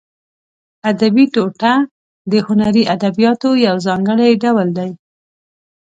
ادبي ټوټه د هنري ادبیاتو یو ځانګړی ډول دی.